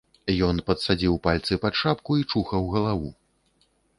Ён падсадзіў пальцы пад шапку і чухаў галаву.